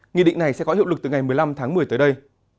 nghị định này sẽ có hiệu lực từ ngày một mươi năm tháng một mươi tới đây